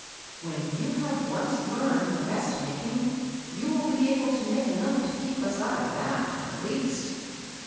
When you have once learned the vest mak ing, you will be able to make enough to keep us out of that, at least."